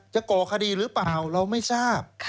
ก่อคดีหรือเปล่าเราไม่ทราบ